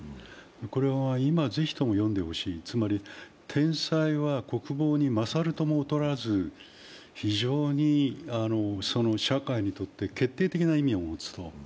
これは今、ぜひとも読んでほしいつまり天災は国防に勝るとも劣らず、非常に社会にとって決定的な意味を持つと。